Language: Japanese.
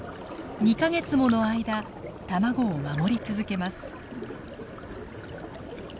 ２か月もの間卵を守り続けます。